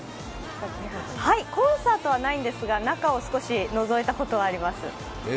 コンサートはないんですが中を少しのぞいたことはあります。